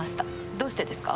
どうしてですか？